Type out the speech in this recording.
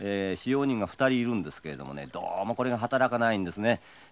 使用人が２人いるんですけれどもねどうもこれが働かないんですね。